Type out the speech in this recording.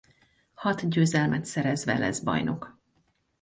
Hat győzelmet szerezve lesz bajnok.